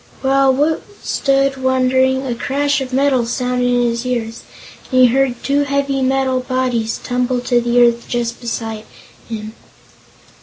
While Woot stood, wondering, a crash of metal sounded in his ears and he heard two heavy bodies tumble to the earth just beside him.